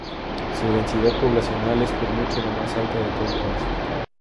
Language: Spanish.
Su densidad poblacional es por mucho la más alta de todo el país.